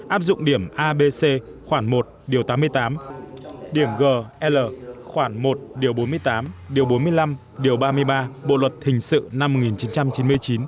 áp dụng điểm abc khoản một tám mươi tám điểm gl khoản một bốn mươi tám điểm bốn mươi năm ba mươi ba bộ luật hình sự năm một nghìn chín trăm chín mươi chín